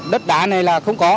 đất đá này là không có